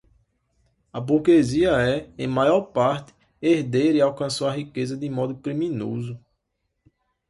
A burguesia é, em maior parte, herdeira e alcançou a riqueza de modo criminoso